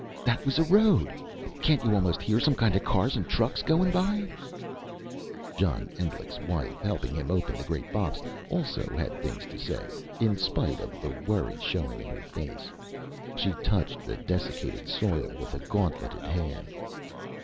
"That was a road! Can't you almost hear some kinda cars and trucks goin' by?" John Endlich's wife, helping him open the great box, also had things to say, in spite of the worry showing in her face. She touched the dessicated soil with a gauntleted hand.